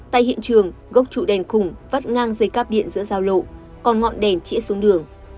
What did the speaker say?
tại hiện trường gốc trụ đèn khủng vắt ngang dây cắp điện giữa giao lộ còn ngọn đèn trễ xuống đường